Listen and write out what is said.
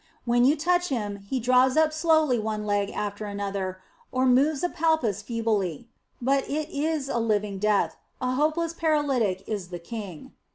When you touch him, he draws up slowly one leg after another, or moves a palpus feebly. But it is living death; a hopeless paralytic is the king.